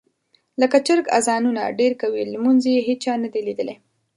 لکه چرګ اذانونه ډېر کوي لمونځ یې هېچا نه دي لیدلي.